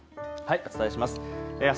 お伝えします。